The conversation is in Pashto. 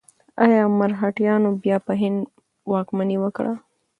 ایا مرهټیانو بیا په هند واکمني وکړه؟